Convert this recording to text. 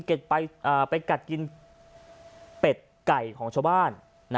เป็ดไก่ของชาวบ้าน